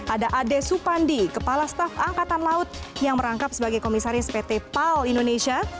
ada ade supandi kepala staf angkatan laut yang merangkap sebagai komisaris pt pal indonesia